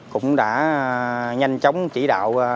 cũng đã nhanh chóng chỉ đạo